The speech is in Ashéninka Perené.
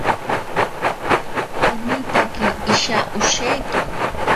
Anitake isha osheki.